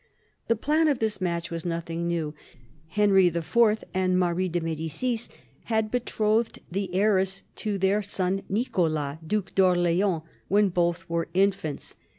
The plan of this match was nothing new. Henry IV. and Marie de Medicis had betrothed the heiress to their son Nicolas, Due d'Orleans, when both were infants.